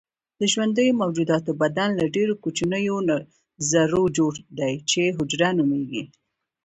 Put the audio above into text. د ژوندیو موجوداتو بدن له ډیرو کوچنیو ذرو جوړ دی چې حجره نومیږي